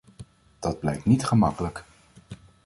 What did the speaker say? Dat blijkt niet gemakkelijk.